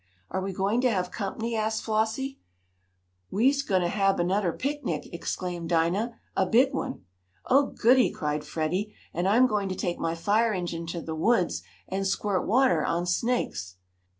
"Are we going to have company?" asked Flossie. "We's gwine t' hab annuder picnic!" exclaimed Dinah. "A big one!" "Oh, goodie!" cried Freddie. "And I'm going to take my fire engine to the woods and squirt water on snakes."